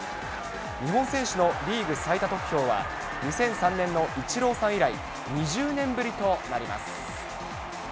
日本選手のリーグ最多得票は、２００３年のイチローさん以来、２０年ぶりとなります。